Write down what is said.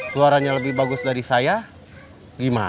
suaranya lebih bagus dari saya gimana